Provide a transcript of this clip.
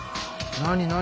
何何？